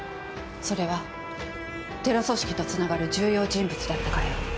それはテロ組織とつながる重要人物だったからよ。